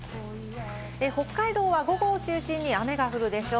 北海道は午後を中心に雨が降るでしょう。